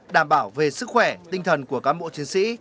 đảm bảo về sức khỏe tinh thần của cán bộ chiến sĩ